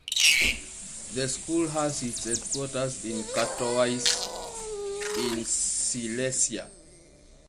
The school has its headquarters in Katowice, in Silesia.